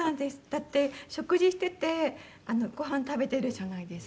だって食事しててご飯食べてるじゃないですか。